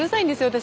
私。